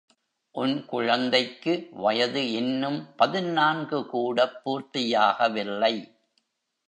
உன் குழந்தைக்கு வயது இன்னும் பதினான்கு கூடப் பூர்த்தியாக வில்லை.